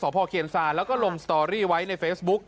ณที่หน้าสตเคียนซาแล้วก็ลงสตอรีไว้ในเฟซบุ๊ค